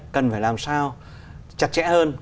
cần phải làm sao chặt chẽ hơn